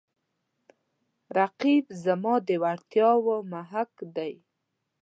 رقیب زما د وړتیاو محک دی